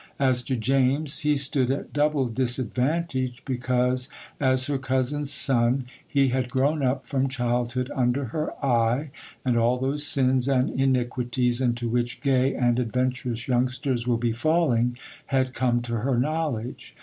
As to James, he stood at double disadvantage, because, as her cousin's son, he had grown up from childhood under her eye, and all those sins and iniquities into which gay and adventurous youngsters will be falling had come to her knowledge.